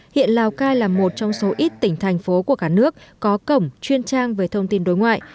hiện lào cai là một trong số ít tỉnh thành phố của cả nước có cổng chuyên trang về thông tin đối ngoại